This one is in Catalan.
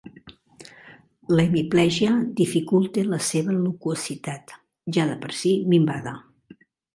L'hemiplegia dificulta la seva loquacitat, ja de per si minvada.